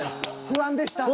不安でした？